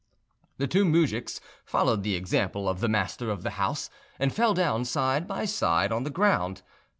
The two moujiks followed the example of the master of the house, and fell down side by side on the ground.